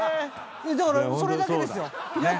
だからそれだけですよ。